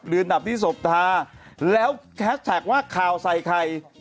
เดือนดับที่ศพธาแล้วแท็กว่าข่าวใส่ใคร